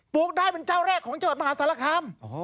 ลูกได้เป็นเจ้าแรกของจังหวัดมหาสารคาม